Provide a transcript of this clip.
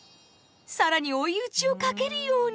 更に追い打ちをかけるように。